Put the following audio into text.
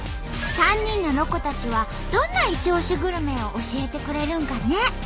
３人のロコたちはどんなイチオシグルメを教えてくれるんかね？